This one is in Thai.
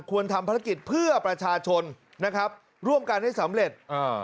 ทำภารกิจเพื่อประชาชนนะครับร่วมกันให้สำเร็จ